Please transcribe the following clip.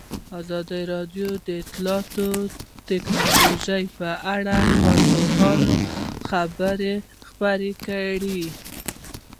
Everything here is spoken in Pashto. ازادي راډیو د اطلاعاتی تکنالوژي په اړه د کارپوهانو خبرې خپرې کړي.